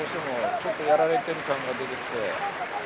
ちょっとやられている感が出てきて。